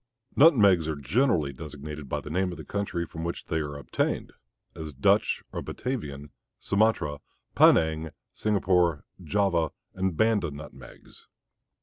Nutmegs are generally designated by the name of the country from which they are obtained, as Dutch or Batavian, Sumatra, Penang, Singapore, Java, and Banda nutmegs.